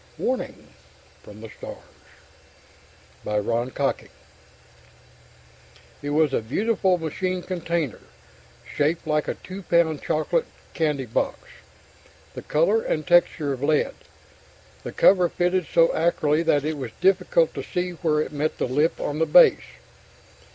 _ WARNING FROM THE STARS By RON COCKING ILLUSTRATOR SUMMERS It was a beautifully machined container, shaped like a two pound chocolate candy box, the color and texture of lead. The cover fitted so accurately that it was difficult to see where it met the lip on the base.